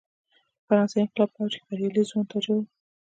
د فرانسې انقلاب په اوج کې بریالي ځوان تاجر و.